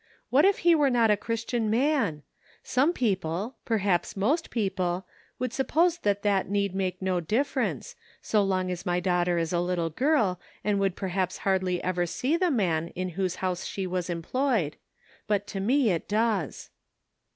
What if he were not a Christian man ? Some people, perhaps most people, would sup i06 CONFLICTING ADVICE. pose that that need make no difference, so long as my daughter is a little girl, and would per haps hardly ever see the man in whose house she was employed ; but to me it does."